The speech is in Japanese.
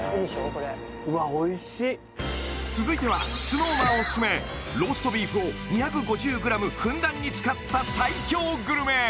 これうわおいしい続いてはＳｎｏｗＭａｎおすすめローストビーフを２５０ｇふんだんに使った最強グルメ